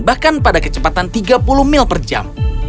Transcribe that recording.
bahkan pada kecepatan tiga puluh mil per jam